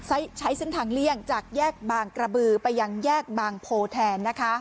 ใช้เส้นทางเลี่ยงจากแยกบางกระบือไปยังแยกบางโพแทนนะคะ